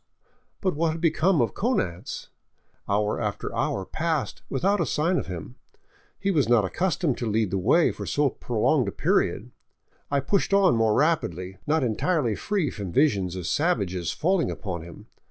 But what had become of Konanz? Hour after hour passed without a sign of him. He was not accustomed to lead the way for so prolonged a period. I pushed on more rapidly, not entirely free from visions of savages falling upon him.